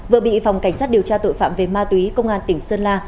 vừa bị phòng cảnh sát điều tra tội phạm về ma túy công an tỉnh sơn la